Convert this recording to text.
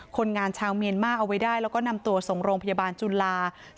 คนงานชาวเมียนมาเอาไว้ได้แล้วก็นำตัวส่งโรงพยาบาลจุฬา